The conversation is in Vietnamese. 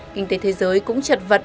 kinh tế thế giới cũng trật vật